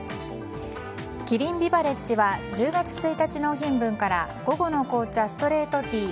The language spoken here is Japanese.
キリンビバレッジは１０月１日納品分から午後の紅茶ストレートティー５００